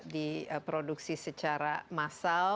diproduksi secara massal